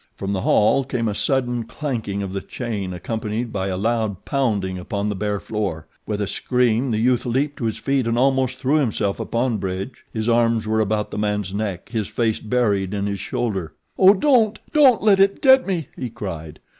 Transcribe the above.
From the hall came a sudden clanking of the chain accompanied by a loud pounding upon the bare floor. With a scream the youth leaped to his feet and almost threw himself upon Bridge. His arms were about the man's neck, his face buried in his shoulder. "Oh, don't don't let it get me!" he cried.